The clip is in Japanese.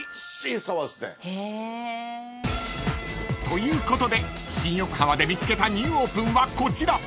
［ということで新横浜で見つけたニューオープンはこちら］